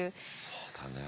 そうだね。